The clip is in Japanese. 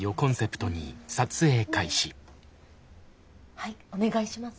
はいお願いします。